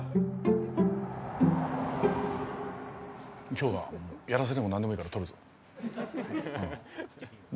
今日はやらせでも何でもいいから撮るぞはいああ